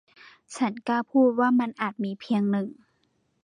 ฉันกล้าพูดว่ามันอาจมีเพียงหนึ่ง